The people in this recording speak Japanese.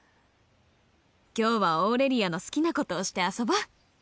今日はオーレリアの好きなことをして遊ぼう！